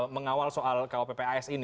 mengawal soal kuapps ini